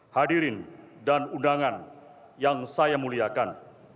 hadirin dan undangan yang saya muliakan